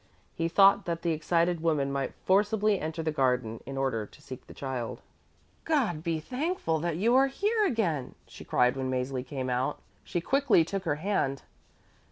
He thought that the excited woman might forcibly enter the garden in order to seek the child. "God be thanked that you are here again!" she cried when Mäzli came out. She quickly took her hand.